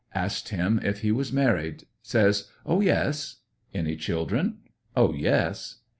Asked him if he was married — saj^s: ''Oh, yes." Any children? "Oh, yes."